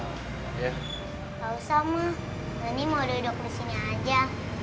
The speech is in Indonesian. gak usah mas nondi mau duduk disini aja